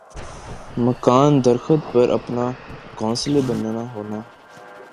مکان درخت پر اپنا گھونسلے بننا ہونا